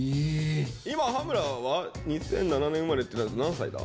今羽村は２００７年生まれ何歳だ？